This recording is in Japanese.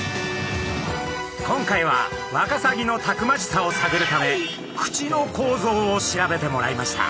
今回はワカサギのたくましさを探るため口の構造を調べてもらいました。